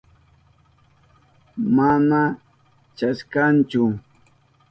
Mana chasnachu.